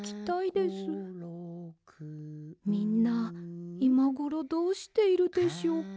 みんないまごろどうしているでしょうか。